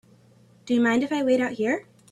Do you mind if I wait out here?